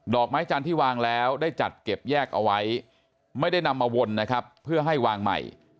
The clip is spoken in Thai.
ไม้จันทร์ที่วางแล้วได้จัดเก็บแยกเอาไว้ไม่ได้นำมาวนนะครับเพื่อให้วางใหม่